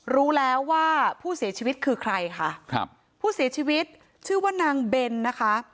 รู้แล้วว่าผู้เสียชีวิตคือใครค่ะครับผู้เสียชีวิตชื่อว่านางเบนนะคะ